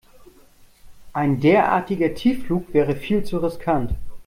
Ein derartiger Tiefflug wäre viel zu riskant.